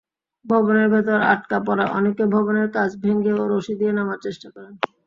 ভবনের ভেতর আটকা পরা অনেকে ভবনের কাঁচ ভেঙ্গে ও রশি দিয়ে নামার চেষ্টা করেন।